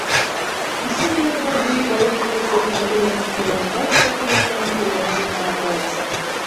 Нисәмә йылдар буйы балыҡ тотоп, был хәлде, йәғни йылымға ишәк эләккәнен, күргәне булмаған балыҡсы: